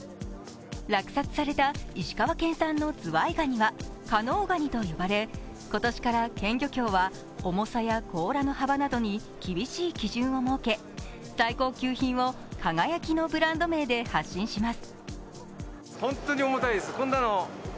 落札された石川県産のずわいがには加能がにと言われ、今年から県漁協は重さや甲羅の幅などに厳しい基準を設け最高級品を輝のブランド名で発信します。